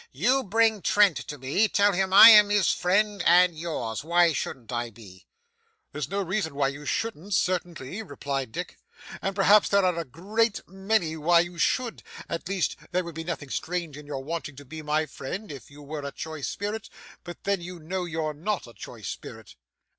'You bring Trent to me. Tell him I am his friend and yours why shouldn't I be?' 'There's no reason why you shouldn't, certainly,' replied Dick, 'and perhaps there are a great many why you should at least there would be nothing strange in your wanting to be my friend, if you were a choice spirit, but then you know you're not a choice spirit.